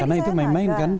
karena itu main main kan